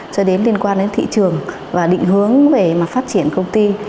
cho đến liên quan đến thị trường và định hướng về phát triển công ty